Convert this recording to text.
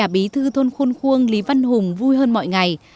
bí thư thôn khuông lý văn hùng vui hơn mọi ngày